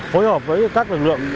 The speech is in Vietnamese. phối hợp với các lực lượng